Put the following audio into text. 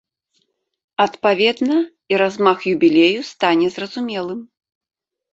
Адпаведна, і размах юбілею стане зразумелым.